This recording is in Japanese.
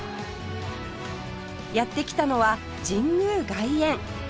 やって来たのは神宮外苑